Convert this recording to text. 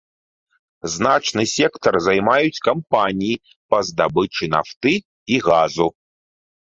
Значны сектар займаюць кампаніі па здабычы нафты і газу.